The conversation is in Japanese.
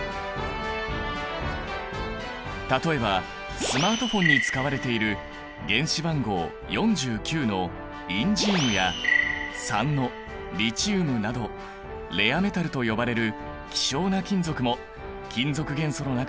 例えばスマートフォンに使われている原子番号４９のインジウムや３のリチウムなどレアメタルと呼ばれる希少な金属も金属元素の中に含まれているんだ。